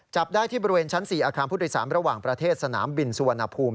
จับได้ที่บริเวณชั้น๔อาคารผู้โดยสารระหว่างประเทศสนามบินสุวรรณภูมิ